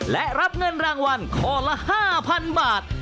และรับเงินรางวัลข้อละ๕๐๐๐บาท